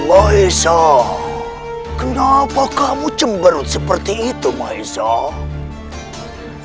maesah kenapa kamu cembenut seperti itu maesah